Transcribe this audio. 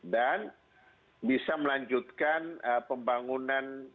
dan bisa melanjutkan pembangunan